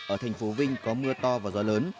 ở thành phố vinh có mưa to và gió lớn